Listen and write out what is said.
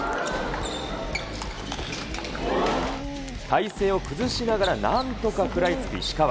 体勢を崩しながらなんとか食らいつく石川。